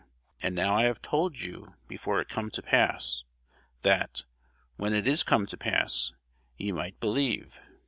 And now I have told you before it come to pass, that, when it is come to pass, ye might believe.